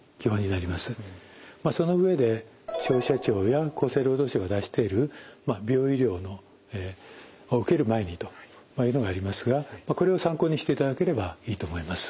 その上で消費者庁や厚生労働省が出してる「美容医療を受ける前に」というのがありますがこれを参考にしていただければいいと思います。